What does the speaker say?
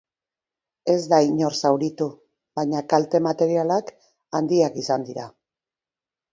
Ez da inor zauritu, baina kalte materialak handiak izan dira.